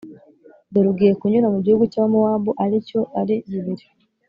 dore ugiye kunyura mu gihugu cy’Abamowabu, ari cyo Ari, bibiri